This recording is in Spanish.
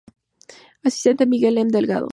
Asistente: Miguel M. Delgado.